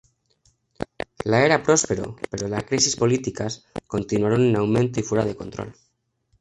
La era próspero, pero las crisis políticas continuaron en aumento y fuera de control.